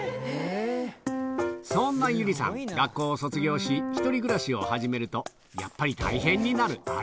そんな友梨さん、学校を卒業し、１人暮らしを始めると、やっぱり大変になるあれ。